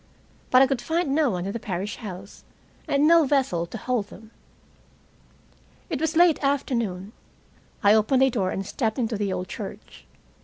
But I could find no one in the parish house, and no vessel to hold them. It was late afternoon. I opened a door and stepped into the old church.